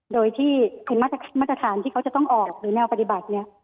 โดยที่มาตรฐานที่เขาจะต้องออกหรือแนวปฏิบัติเนี่ย